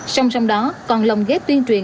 xong xong đó còn lồng ghép tuyên truyền